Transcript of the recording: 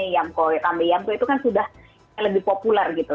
yangko yatambe yanto itu kan sudah lebih populer gitu